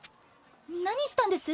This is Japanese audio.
何したんです？